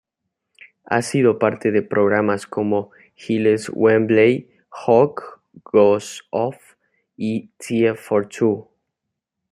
Ha sido parte de programas como "Giles Wemmbley-Hogg Goes Off" y "Tea for Two".